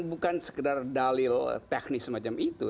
bukan sekedar dalil teknis semacam itu